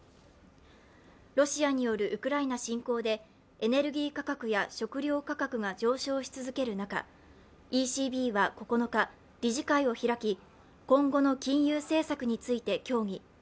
ロシアによるウクライナ侵攻でエネルギー価格や食料価格が上昇し続ける中ＥＣＢは９日、理事会を開き、今後の金融政策について協議。